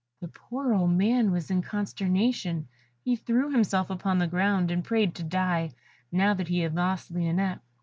The poor old man was in consternation; he threw himself upon the ground and prayed to die, now that he had lost Lionette.